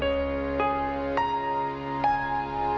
สวัสดีครับ